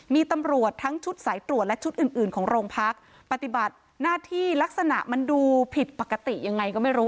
มีตำรวจทั้งชุดสายตรวจและชุดอื่นอื่นของโรงพักปฏิบัติหน้าที่ลักษณะมันดูผิดปกติยังไงก็ไม่รู้